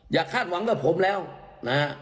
อยากคาดหวังก็ผมแล้วนะฮะ